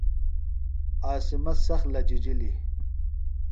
عاصمہ سخت لجِجلیۡ۔